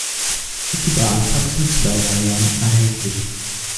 Sie war anfangs in zwei Varianten erhältlich.